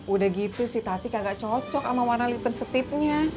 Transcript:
udah gitu sih tati kagak cocok sama warna lipen setipnya